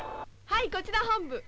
はいこちら本部。